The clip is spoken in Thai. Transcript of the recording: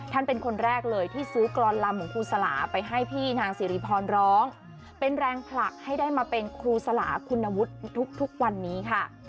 เป็นคนแรกเลยที่ซื้อกรอนลำของครูสลาไปให้พี่นางสิริพรร้องเป็นแรงผลักให้ได้มาเป็นครูสลาคุณวุฒิทุกวันนี้ค่ะ